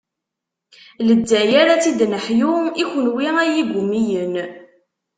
Lezzayer ad tt-id-neḥyu, i kunwi ay igumiyen.